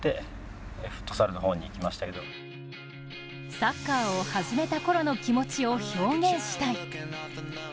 サッカーを始めたころの気持ちを表現したい。